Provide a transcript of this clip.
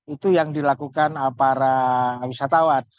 itu yang dilakukan para wisatawan